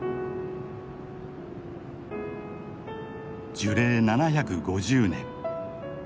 樹齢７５０年。